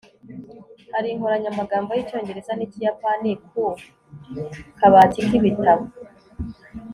hari inkoranyamagambo y'icyongereza n'ikiyapani ku kabati k'ibitabo